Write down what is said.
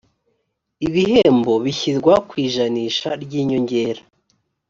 ibihembo bishyirwa ku ijanisha ry inyongera